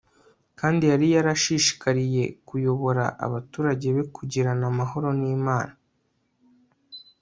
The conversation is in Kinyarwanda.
kandi yari yarashishikariye kuyobora abaturage be kugirana amahoro nImana